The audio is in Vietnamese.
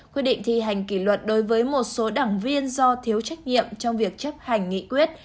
quyết định thi hành kỷ luật đối với một số đảng viên do thiếu trách nhiệm trong việc chấp hành nghị quyết